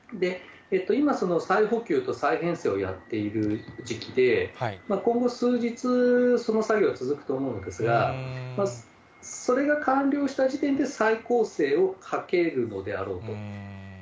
今、再補給と再編制をやっている時期で、今後数日、その作業は続くと思うんですが、それが完了した時点で再攻勢をかけるのであろうと。